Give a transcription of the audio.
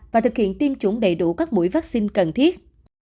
và thực hiện tiêm chủng đầy đủ các mũi vaccine cần thiết